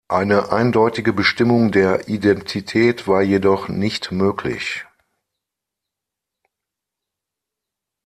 Eine eindeutige Bestimmung der Identität war jedoch nicht möglich.